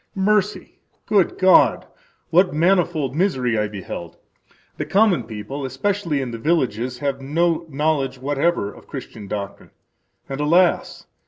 Mercy! Good God! what manifold misery I beheld! The common people, especially in the villages, have no knowledge whatever of Christian doctrine, and, alas!